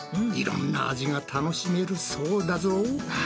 いろんな味が楽しめるそうだぞ！